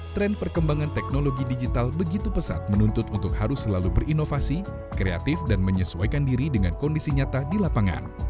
tren perkembangan teknologi digital begitu pesat menuntut untuk harus selalu berinovasi kreatif dan menyesuaikan diri dengan kondisi nyata di lapangan